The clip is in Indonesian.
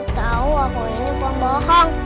tahu aku ini pembohong